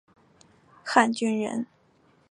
汉军人。